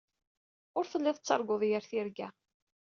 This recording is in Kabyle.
Ur telliḍ tettarguḍ yir tirga.